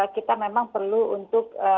kita memang perlu untuk